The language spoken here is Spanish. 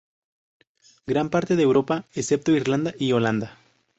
Gran parte de Europa, excepto Irlanda y Holanda.